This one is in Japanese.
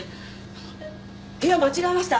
あの部屋間違えました